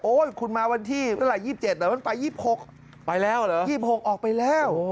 โอ้ยคุณมาวันที่ตลาด๒๗แต่วันไป๒๖ออกไปแล้ว